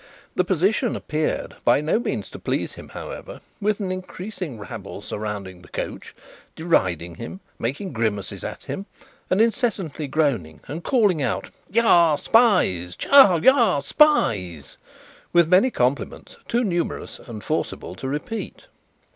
The position appeared by no means to please him, however, with an increasing rabble surrounding the coach, deriding him, making grimaces at him, and incessantly groaning and calling out: "Yah! Spies! Tst! Yaha! Spies!" with many compliments too numerous and forcible to repeat.